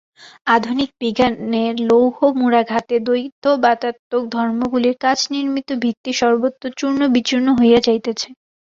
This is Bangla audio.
আধুনিক বিজ্ঞানের লৌহমুদ্গরাঘাতে দ্বৈতবাদাত্মক ধর্মগুলির কাচনির্মিত ভিত্তি সর্বত্র চূর্ণবিচূর্ণ হইয়া যাইতেছে।